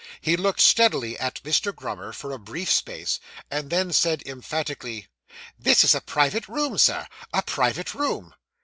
He looked steadily at Mr. Grummer for a brief space, and then said emphatically, 'This is a private room, Sir. A private room.